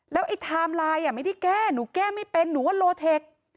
ไอ้ไทม์ไลน์ไม่ได้แก้หนูแก้ไม่เป็นหนูว่าโลเทค